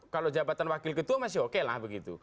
kalau jabatan wakil ketua masih oke lah begitu